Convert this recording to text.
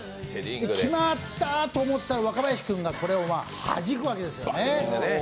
決まったと思ったら、若林君がこれを弾くわけですね。